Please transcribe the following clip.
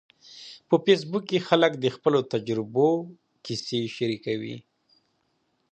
په فېسبوک کې خلک د خپلو تجربو کیسې شریکوي.